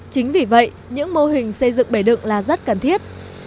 chính vì vậy những mô hình xây dựng bể đựng là rất cần thiết